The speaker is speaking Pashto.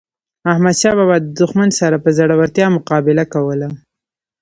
احمد شاه بابا د دښمن سره په زړورتیا مقابله کوله.